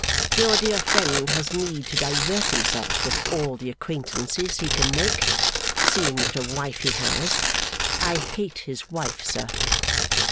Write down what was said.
Your dear friend has need to divert himself with all the acquaintances he can make, seeing what a wife he has. I hate his wife, sir.